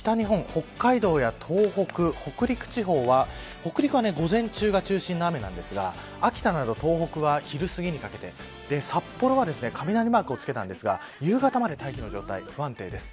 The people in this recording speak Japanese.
北海道や東北、北陸地方は北陸は午前中が中心の雨なんですが秋田など東北は昼すぎにかけて札幌は雷マークをつけたんですが夕方まで大気の状態不安定です。